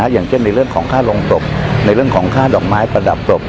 อย่างเช่นในเรื่องของค่าลงศพในเรื่องของค่าดอกไม้ประดับศพ